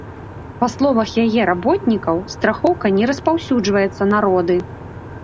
Па словах яе работнікаў, страхоўка не распаўсюджваецца на роды.